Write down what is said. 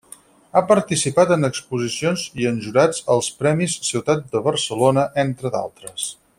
Ha participat en exposicions i en jurats als Premis Ciutat de Barcelona, entre altres.